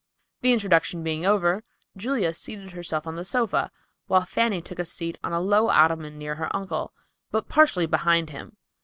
The introduction being over, Julia seated herself on the sofa, while Fanny took a seat on a low ottoman near her uncle, but partially behind him.